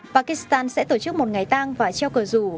pakistan sẽ tổ chức một ngày tang và treo cờ rủ